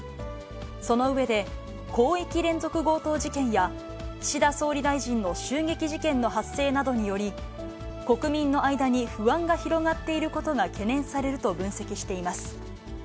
その上で、広域連続強盗事件や、岸田総理大臣の襲撃事件の発生などにより、国民の間に不安が広がっていることが懸念されると分析しています。